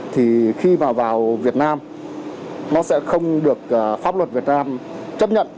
thì khi vào việt nam nó sẽ không được pháp luật việt nam chấp nhận